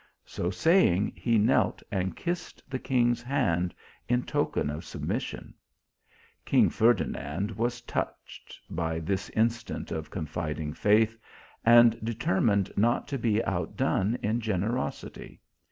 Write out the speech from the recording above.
So saying, he knelt and kissed the king s hand in token of submission. King Ferdinand was touched by this instance of confidiog faith, and determined not to be outdone in generosity.